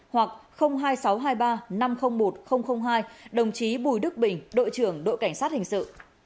hoặc hai nghìn sáu trăm hai mươi ba năm trăm linh một hai đồng chí bùi đức bình đội trưởng đội cảnh sát hình sự